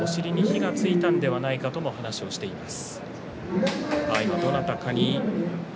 お尻に火がついたのではないかと話をしていました。